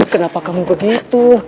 kenapa kamu begitu